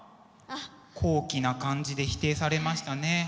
高貴な感じで否定されましたね。